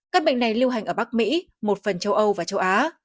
các bệnh này lưu hành ở bắc mỹ một phần châu âu và châu á